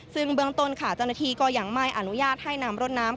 ซึ่งเบื้องต้นค่ะเจ้าหน้าที่ก็ยังไม่อนุญาตให้นำรถน้ำ